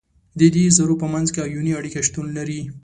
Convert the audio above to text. د دې ذرو په منځ کې آیوني اړیکه شتون لري.